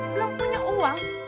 belum punya uang